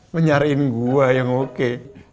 mencariin gue yang oke